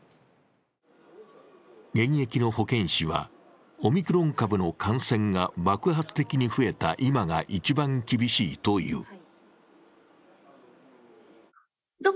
現役の保健師は、オミクロン株の感染が爆発的に増えた献が一番厳しいという。